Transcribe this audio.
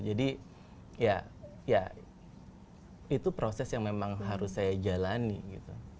jadi ya itu proses yang memang harus saya jalani gitu